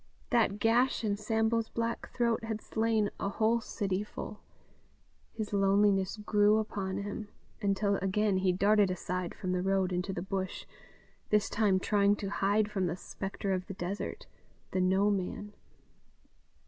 That gash in Sambo's black throat had slain "a whole cityful." His loneliness grew upon him, until again he darted aside from the road into the bush, this time to hide from the Spectre of the Desert the No Man.